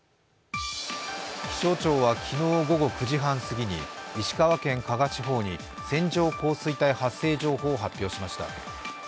気象庁は昨日午後９時半すぎに石川県加賀地方に線状降水帯発生情報を発表しました。